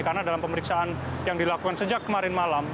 karena dalam pemeriksaan yang dilakukan sejak kemarin malam